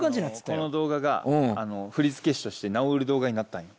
この動画が振り付け師として名を売る動画になったんよ。